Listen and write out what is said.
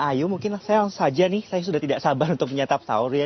ayu mungkin seang saja nih saya sudah tidak sabar untuk menyetap sahur ya